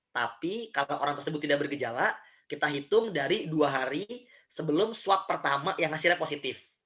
tapi kalau orang tersebut tidak bergejala kita hitung dari dua hari sebelum swab pertama yang hasilnya positif